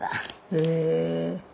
へえ。